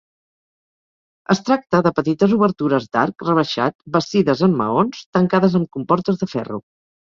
Es tracta de petites obertures d'arc rebaixat bastides en maons, tancades amb comportes de ferro.